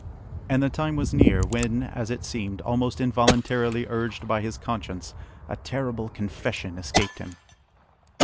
And the time was near, when, as it seemed, almost involuntarily urged by his conscience, a terrible confession escaped him.